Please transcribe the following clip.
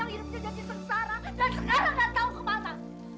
hidupnya jadi sengsara dan sekarang gak tau kemana